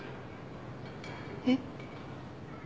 えっ？